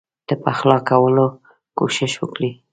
د پخلا کولو کوښښ وکړي.